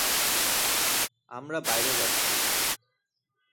আমরা বাহিরে যাচ্ছি!